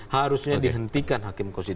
harusnya dihentikan hakim konstitusi